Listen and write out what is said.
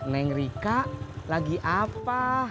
mengrika lagi apa